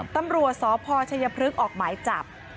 ตำรวจสพชัยพฤกษ์ออกหมายจับ